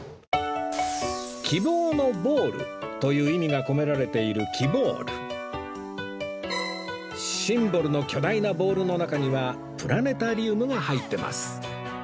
「希望のボール」という意味が込められているシンボルの巨大なボールの中にはプラネタリウムが入ってます